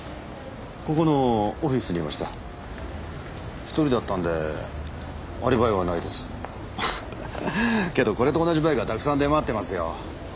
ここのオフィスにいました１人だったんでアリバイはないですけどこれと同じバイクはたくさん出回ってますよ